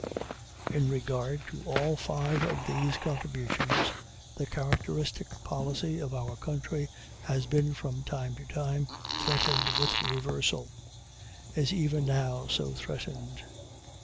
In regard to all five of these contributions, the characteristic policy of our country has been from time to time threatened with reversal is even now so threatened.